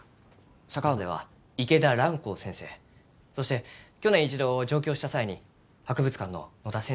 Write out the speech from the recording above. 佐川では池田蘭光先生そして去年一度上京した際に博物館の野田先生里中先生に教わりました。